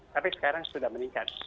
tapi sekarang sudah meningkat